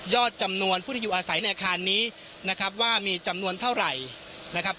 จำนวนผู้ที่อยู่อาศัยในอาคารนี้นะครับว่ามีจำนวนเท่าไหร่นะครับ